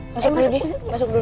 masuk dulu masuk dulu